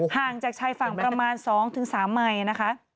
ห่างจากชายฝั่งประมาณ๒๓ไมนะคะ